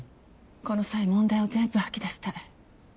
この際問題を全部吐き出したい。